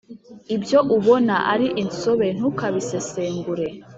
ibyo ubona ari insobe, ntukabisesengure